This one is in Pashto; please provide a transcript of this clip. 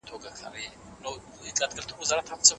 د نورو تاوان مه کوئ.